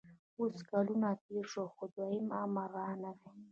اوس کلونه تېر شول خو دویم امر رانغی